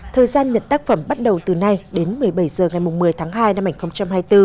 thời gian nhận tác phẩm bắt đầu từ nay đến một mươi bảy h ngày một mươi tháng hai năm hai nghìn hai mươi bốn